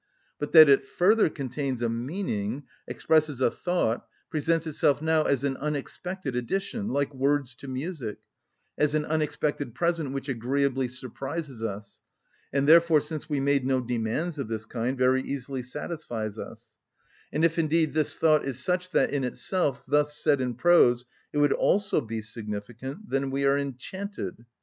But that it further contains a meaning, expresses a thought, presents itself now as an unexpected addition, like words to music—as an unexpected present which agreeably surprises us—and therefore, since we made no demands of this kind, very easily satisfies us; and if indeed this thought is such that, in itself, thus said in prose, it would also be significant, then we are enchanted.